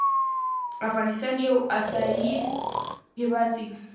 افغانستان يو اسياى هيواد دى